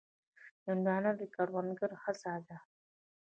هندوانه د کروندګرو هڅه ده.